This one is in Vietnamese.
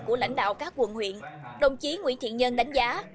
của lãnh đạo các quận huyện đồng chí nguyễn thiện nhân đánh giá